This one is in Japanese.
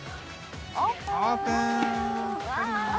オープン。